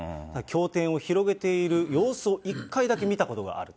教典を広げている様子を、一回だけ見たことがある。